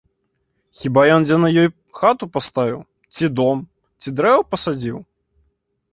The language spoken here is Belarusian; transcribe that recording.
Хіба ён дзе на ёй хату паставіў, ці дом, ці дрэва пасадзіў?